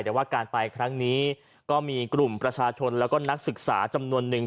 แต่ว่าการไปครั้งนี้ก็มีกลุ่มประชาชนแล้วก็นักศึกษาจำนวนนึง